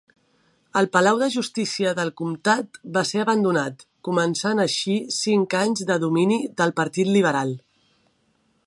El palau de justícia del comtat va ser abandonat, començant així cinc anys de domini del Partit Liberal.